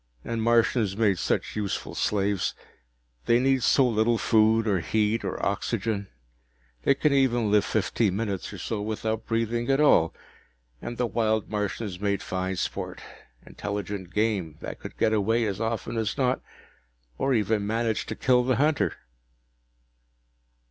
And Martians made such useful slaves they need so little food or heat or oxygen, they can even live fifteen minutes or so without breathing at all. And the wild Martians made fine sport intelligent game, that could get away as often as not, or even manage to kill the hunter."